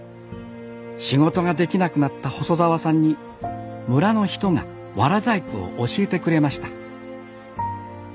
仕事ができなくなった細澤さんに村の人が藁細工を教えてくれました。